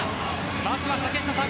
まずは竹下さん